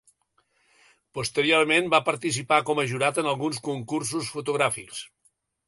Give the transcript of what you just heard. Posteriorment va participar com a jurat en alguns concursos fotogràfics.